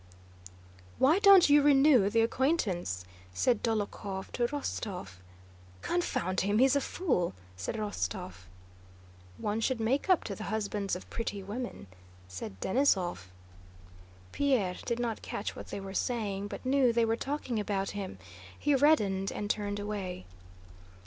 "Why don't you renew the acquaintance?" said Dólokhov to Rostóv. "Confound him, he's a fool!" said Rostóv. "One should make up to the husbands of pretty women," said Denísov. Pierre did not catch what they were saying, but knew they were talking about him. He reddened and turned away.